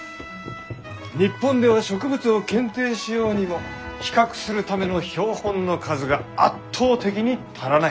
日本では植物を検定しようにも比較するための標本の数が圧倒的に足らない。